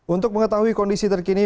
untuk mengetahui kondisi terkini